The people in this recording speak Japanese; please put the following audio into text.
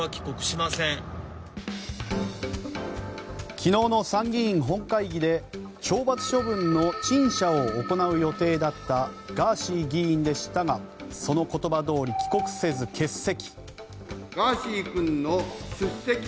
昨日の参議院本会議で懲罰処分の陳謝を行う予定だったガーシー議員でしたがその言葉どおり帰国せず、欠席。